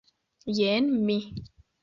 Jen mi!